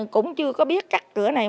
cũng chưa có biết cắt cửa này